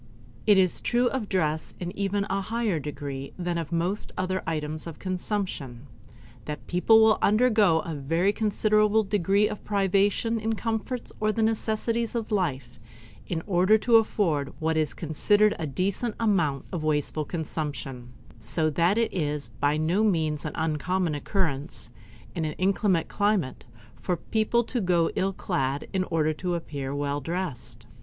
It is true of dress in even a higher degree than of most other items of consumption, that people will undergo a very considerable degree of privation in the comforts or the necessaries of life in order to afford what is considered a decent amount of wasteful consumption; so that it is by no means an uncommon occurrence, in an inclement climate, for people to go ill clad in order to appear well dressed.